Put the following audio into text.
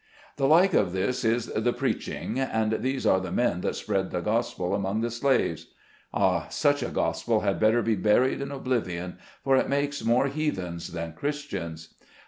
The like of this is the preaching, and these are the men that spread the Gospel among the slaves. Ah ! such a Gospel had better be buried in obliv ion, for it makes more heathens than Christians.